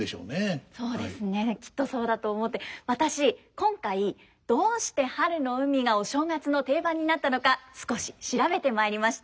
今回どうして「春の海」がお正月の定番になったのか少し調べてまいりました。